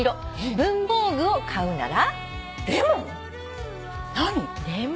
「文房具を買うなら」